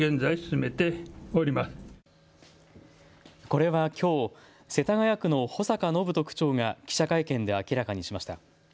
これはきょう、世田谷区の保坂展人区長が記者会見で明らかにしました。